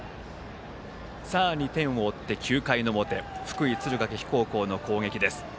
２点を追って９回の表福井・敦賀気比高校の攻撃です。